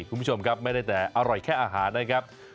คุณผู้ชมครับไม่ได้แต่อร่อยแค่อาหารนะครับ